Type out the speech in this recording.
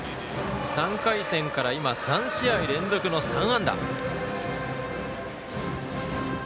３回戦から、３試合連続の３安打。